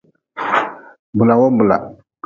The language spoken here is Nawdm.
Bula wo bula.